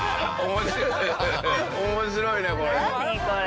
面白いねこれ。